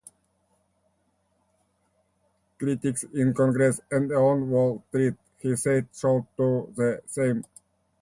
Critics in Congress and on Wall Street, he said, should do the same.